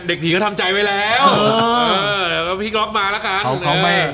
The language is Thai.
เด็กผีก็ทำใจไว้แล้วพี่กล๊อกมาแล้วค่ะ